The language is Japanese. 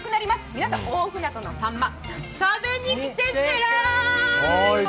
皆さん、大船渡のさんま食べに来てけら。